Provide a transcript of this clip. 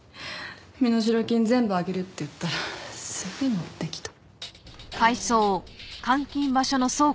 身代金全部あげるって言ったらすぐのってきた。